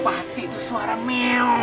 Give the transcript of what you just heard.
pasti itu suara mew